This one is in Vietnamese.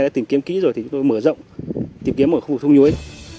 đã tìm kiếm kỹ rồi thì chúng tôi mở rộng tìm kiếm ở khu vực sông nhuế